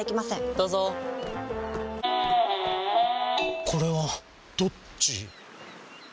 どうぞこれはどっち？